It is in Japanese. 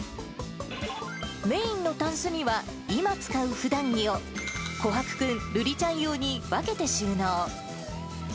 メインのたんすには、今使うふだん着を、琥珀君、瑠璃ちゃん用に分けて収納。